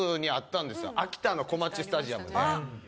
秋田のこまちスタジアムで。